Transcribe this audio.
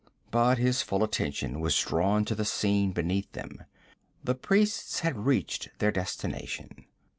But his full attention was drawn to the scene beneath them. The priests had reached their destination.